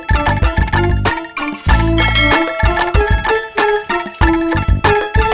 sudah biarkan sama saya saja